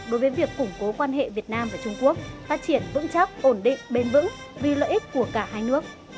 đối với việc củng cố quan hệ việt nam và trung quốc phát triển vững chắc ổn định bền vững vì lợi ích của cả hai nước